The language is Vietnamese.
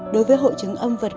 đối với hội chứng âm vật